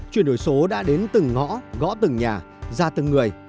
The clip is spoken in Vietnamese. chuyển đổi số đã đến từng ngõ gõ từng nhà ra từng người